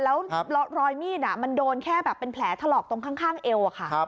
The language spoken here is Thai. แล้วรอยมีดมันโดนแค่แบบเป็นแผลถลอกตรงข้างเอวอะค่ะ